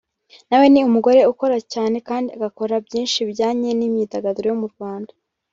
nawe ni umugore ukora cyane kandi agakora byinshi bijyanye n’imyidagaduro yo mu Rwanda